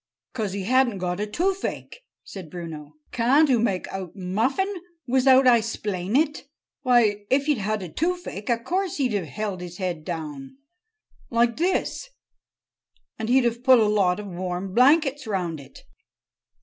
"'Cause he hadn't got a toofache!" said Bruno. "Can't oo make out nuffin wizout I 'splain it? Why, if he'd had a toofache, a course he'd have held his head down—like this—and he'd have put a lot of warm blankets round it!"